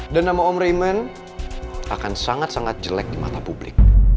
dan nama om raymond akan sangat sangat jelek di mata publik